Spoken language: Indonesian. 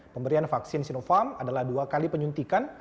pemberian vaksin sinovac adalah dua kali penyuntikan